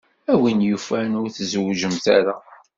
A win yufan, ur tzewwǧemt ara.